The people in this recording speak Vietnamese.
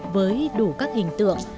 với đủ các hình tượng